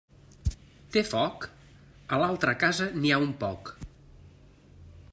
Té foc? A l'altra casa n'hi ha un poc.